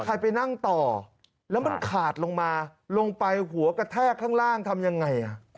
ใครไปนั่งต่อแล้วมันขาดลงมาลงไปหัวกระแทกข้างล่างทำยังไง